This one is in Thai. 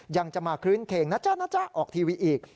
ยังจะมาคลื้นเข่งนะจ๊ะนะจ๊ะออกทีวีอีก